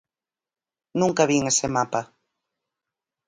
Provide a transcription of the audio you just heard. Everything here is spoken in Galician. Nunca vin ese mapa.